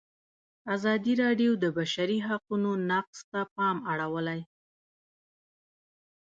ازادي راډیو د د بشري حقونو نقض ته پام اړولی.